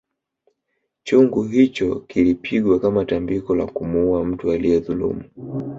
Chungu hicho kilipigwa kama tambiko la kumuuwa mtu aliyedhulumu